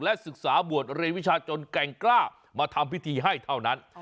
ศึกษาบวชเรียนวิชาจนแก่งกล้ามาทำพิธีให้เท่านั้น